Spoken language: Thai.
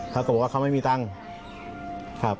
เขาก็บอกว่าเขาไม่มีตังค์ครับ